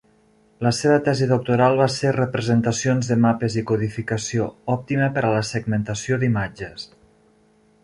La seva tesi doctoral va ser "Representacions de mapes i codificació òptima per a la segmentació d'imatges".